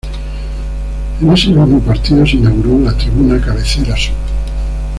En ese mismo partido se inauguró la tribuna Cabecera Sur.